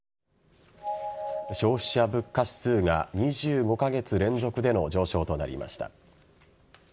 消費者物価指数が２５カ月連続での上昇となりました。